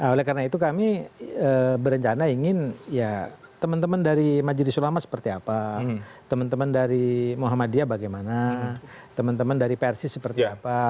oleh karena itu kami berencana ingin ya teman teman dari majelis ulama seperti apa teman teman dari muhammadiyah bagaimana teman teman dari persis seperti apa